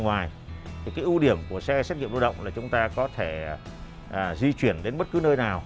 ngoài cái ưu điểm của xe xét nghiệm lao động là chúng ta có thể di chuyển đến bất cứ nơi nào